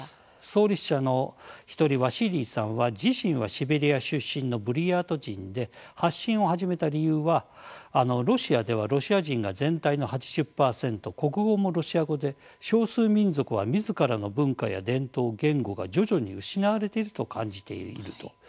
創立者の１人ワシーリーさんは自身はシベリア出身のブリヤート人で発信を始めた理由はロシアではロシア人が全体の８０％国語もロシア語で少数民族はみずからの文化や伝統言語が徐々に失われていると感じていると。